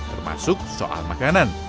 termasuk soal makanan